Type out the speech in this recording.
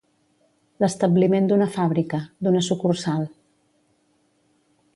L'establiment d'una fàbrica, d'una sucursal.